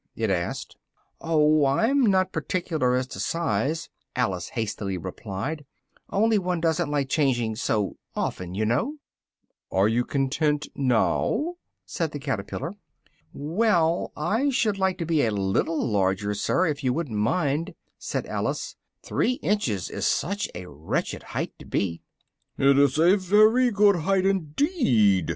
it asked. "Oh, I'm not particular as to size," Alice hastily replied, "only one doesn't like changing so often, you know." "Are you content now?" said the caterpillar. "Well, I should like to be a little larger, sir, if you wouldn't mind," said Alice, "three inches is such a wretched height to be." "It is a very good height indeed!"